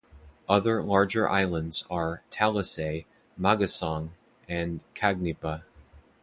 Other larger islands are Talisay, Magasang, and Cagnipa.